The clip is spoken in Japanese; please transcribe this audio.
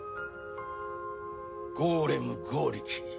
ゴーレム剛力。